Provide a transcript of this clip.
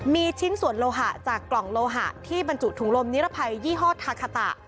มีชิ้นส่วนโลหะจากกล่องโลหะที่บรรจุถุงลมนิรภัยยี่ห้อทาคาตะ